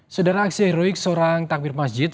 saudara aksi heroik seorang takbir masjid